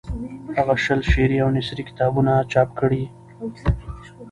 هغه شل شعري او نثري کتابونه چاپ کړي.